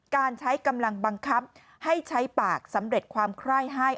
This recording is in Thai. การใช้กำลังบังคับให้ใช้ปากสำเร็จความไคร้ให้